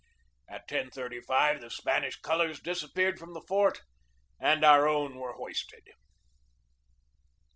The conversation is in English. At 10.35 the Spanish colors disappeared from the fort and our own were hoisted.